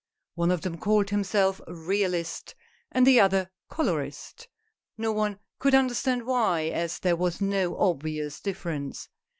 One of them called himself " realist," and the other "colorist." No one could understand why, as there was no obvious difference.